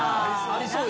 ありそう。